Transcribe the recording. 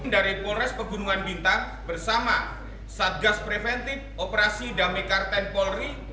dari polres pegunungan bintang bersama satgas preventive operasi damai chartens polri